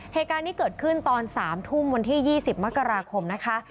เหตุการณ์นี้เกิดขึ้นตอน๓ทุ่มวันที่๒๐มกราคมนะคะ